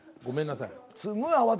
ごめんなさい。